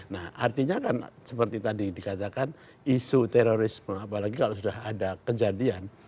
nah artinya kan seperti tadi dikatakan isu terorisme apalagi kalau sudah ada kejadian